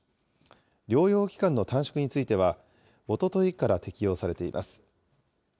療養期間の短縮については、おとといから適用されています。